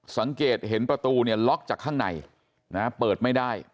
สังเกตเห็นประตูเนี่ยล็อกจากข้างในเปิดไม่ได้